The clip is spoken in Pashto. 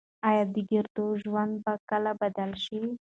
ايا د کيږديو ژوند به کله بدل شي؟